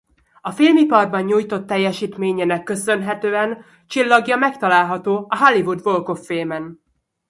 A filmiparban nyújtott teljesítményének köszönhetően csillagja megtalálható a Hollywood Walk of Fame-en.